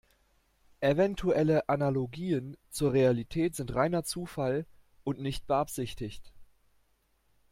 Eventuelle Analogien zur Realität sind reiner Zufall und nicht beabsichtigt.